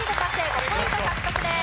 ５ポイント獲得です。